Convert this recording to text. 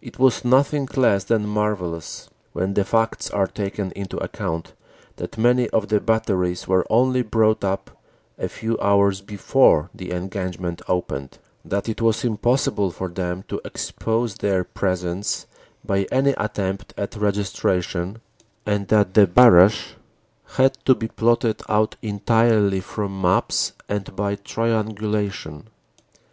It was nothing less than marvellous when the facts are taken into account that many of the batteries were only brought up a few hours before the engagement opened, that it was impossible for them to expose their presence by any attempt at registration, and that the barrage had to be plotted out entirely from maps and by triangulation.